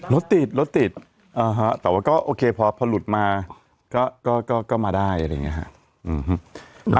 รถติดรถติดแต่ว่าก็โอเคพอหลุดมาก็มาได้อะไรอย่างนี้ครับ